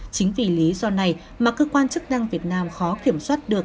chính vì lý do này mà cơ quan chức năng việt nam khó kiểm soát được